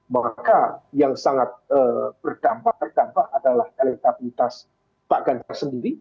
maka yang sangat berdampak terdampak adalah elektabilitas pak ganjar sendiri